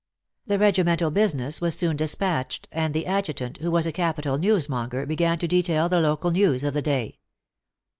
The regimental business was soon dispatched, and the adjutant, who was a capital newsmonger, began to detail the local news of the day.